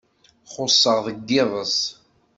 Xuṣṣeɣ deg yiḍes.